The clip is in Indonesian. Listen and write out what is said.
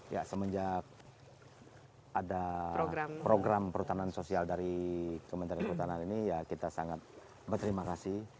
ya semenjak ada program perhutanan sosial dari kementerian kehutanan ini ya kita sangat berterima kasih